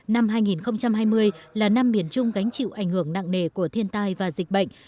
năm hai nghìn hai mươi là năm miền trung gánh chịu ảnh hưởng nặng nề của thiên tai và dịch bệnh